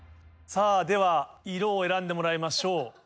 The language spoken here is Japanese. では色を選んでもらいましょう。